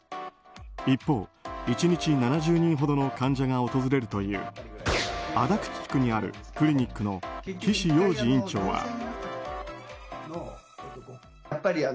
一方、１日７０人ほどの患者が訪れるという足立区にあるクリニックの岸洋二院長は。